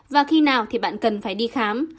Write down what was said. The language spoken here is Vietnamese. và khi nào thì bạn cần phải đi khám